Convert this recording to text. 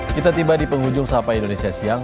kita tiba di penghujung sapa indonesia siang